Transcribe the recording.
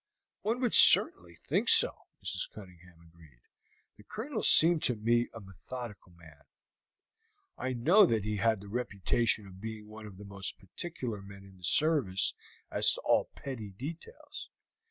"One would certainly think so," Mrs. Cunningham agreed; "the Colonel seemed to me a methodical man. I know that he had the reputation of being one of the most particular men in the service as to all petty details.